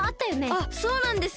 あっそうなんです。